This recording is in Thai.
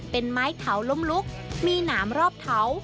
เป็นไม้เขาล้มลุกมีหนามรอบเขา